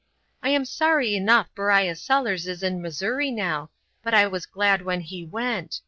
I am sorry enough Beriah Sellers is in Missouri, now, but I was glad when he went.